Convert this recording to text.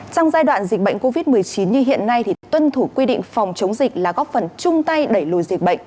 trong giai đoạn dịch bệnh covid một mươi chín như hiện nay tuân thủ quy định phòng chống dịch là góp phần chung tay đẩy lùi dịch bệnh